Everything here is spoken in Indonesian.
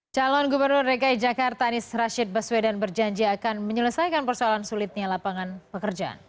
calon gubernur dki jakarta anies rashid baswedan berjanji akan menyelesaikan persoalan sulitnya lapangan pekerjaan